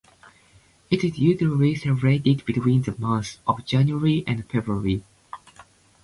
It is usually celebrated between the months of January and February.